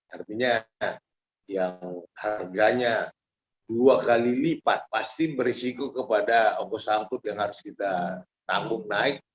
artinya yang harganya dua kali lipat pasti berisiko kepada ongkos angkut yang harus kita tampung naik